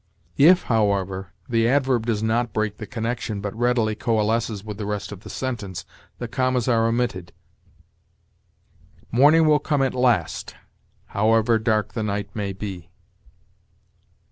If, however, the adverb does not break the connection, but readily coalesces with the rest of the sentence, the commas are omitted. "Morning will come at last, however dark the night may be."